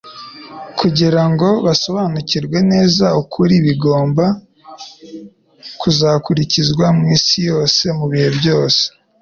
kugira ngo basobariukirwe neza ukuri bagomba kuzakwirakwiza mu isi yose mu bihe byose.